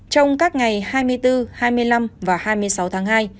trong các ngày hai mươi bốn hai mươi năm và hai mươi sáu tháng hai